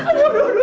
aduh aduh aduh aduh